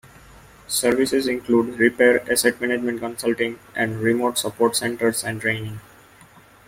Services include repair, asset management consulting and remote support centers and training.